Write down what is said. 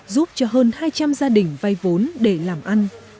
giúp cho hơn hai trăm linh gia đình vay vốn để làm ăn